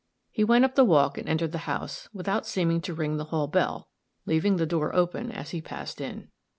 He went up the walk and entered the house, without seeming to ring the hall door bell, leaving the door open as he passed in.